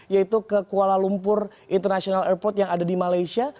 yaitu ke kuala lumpur international airport yang ada di malaysia